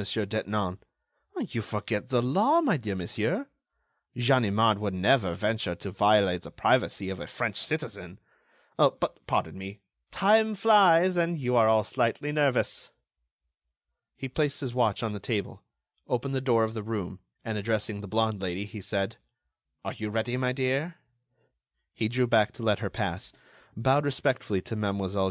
Detinan. "You forget the law, my dear monsieur! Ganimard would never venture to violate the privacy of a French citizen. But, pardon me, time flies, and you are all slightly nervous." He placed his watch on the table, opened the door of the room and addressing the blonde lady he said: "Are you ready my dear?" He drew back to let her pass, bowed respectfully to Mlle.